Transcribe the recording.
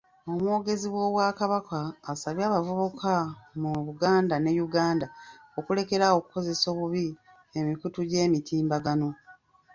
Omwogezi w'Obwakabaka asabye abavubuka mu Buganda ne Uganda okulekeraawo okukozesa obubi emikutu gy'emitimbagano.